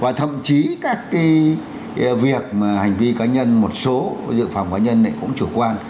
và thậm chí các cái việc mà hành vi cá nhân một số dự phòng cá nhân ấy cũng chủ quan